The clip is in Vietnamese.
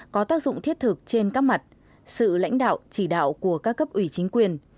có tác dụng thiết thực trên các mặt sự lãnh đạo chỉ đạo của các cấp ủy chính quyền